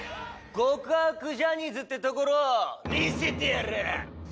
極悪ジャニーズってところを見せてやる！